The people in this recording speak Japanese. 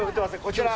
こちら。